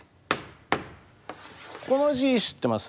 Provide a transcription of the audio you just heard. この字知ってます？